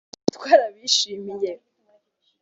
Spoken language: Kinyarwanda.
"Twarabishimye